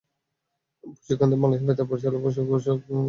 প্রশিক্ষণ দেন বাংলাদেশ বেতার বরিশালের ঘোষক ক্লাবের সাবেক সভাপতি নজরুল ইসলাম।